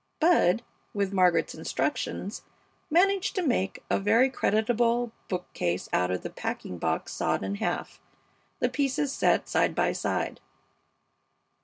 Bud, with Margaret's instructions, managed to make a very creditable bookcase out of the packing box sawed in half, the pieces set side by side.